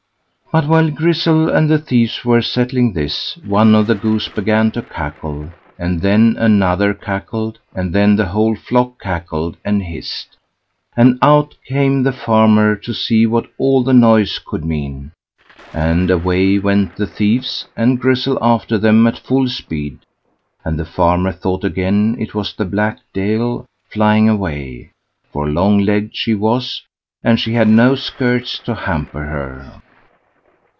But while Grizzel and the thieves were settling this, one of the geese began to cackle, and then another cackled, and then the whole flock cackled and hissed, and out came the farmer to see what all the noise could mean, and away went the thieves, and Grizzel after them, at full speed, and the farmer thought again it was the black Deil flying away; for long legged she was, and she had no skirts to hamper her.